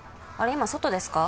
今外ですか？